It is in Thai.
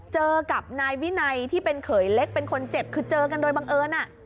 เจอกับนายวินัยที่เป็นเขยเล็กเป็นคนเจ็บคือเจอกันโดยบังเอิญ